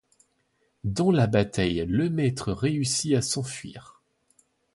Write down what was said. Dans la bataille le Maître réussit à s'enfuir.